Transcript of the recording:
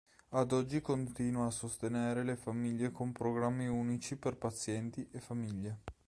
Ad oggi continua a sostenere le famiglie con programmi unici per pazienti e famiglie.